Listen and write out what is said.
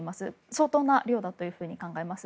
相当な量だと考えられます。